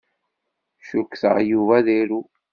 Cukkteɣ Yuba ad iru.